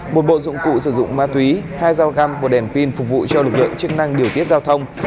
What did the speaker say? một bộ dụng cụ sử dụng ma túy hai dao găm một đèn pin phục vụ cho lực lượng chức năng điều tiết giao thông